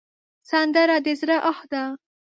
سندره د زړه آه ده